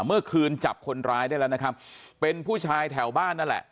เมื่อคืนจับคนร้ายได้แล้วนะครับเป็นผู้ชายแถวบ้านนั่นแหละ